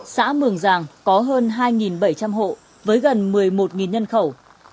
xã mường giàng có hơn hai bảy trăm linh hộ với gần một mươi một nhân khẩu